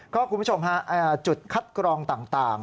คุณผู้ชมฮะจุดคัดกรองต่าง